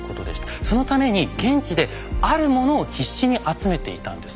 そのために現地であるものを必死に集めていたんです。